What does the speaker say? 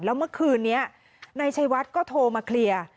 แล้วเมื่อคืนนี้นายชัยวัดก็โทรมาเคลียร์